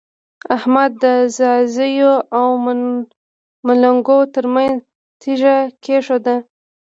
احمد د ځاځيو او منلګو تر منځ تيږه کېښوده.